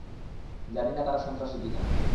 জানি না তারা সন্ত্রাসী কি না।